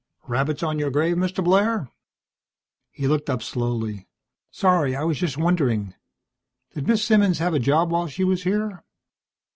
"Rabbits on your grave, Mr. Blair?" He looked up slowly. "Sorry. I was just wondering. Did Miss Simmons have a job while she was here?"